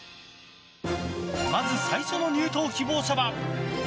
まず最初の入党希望者は。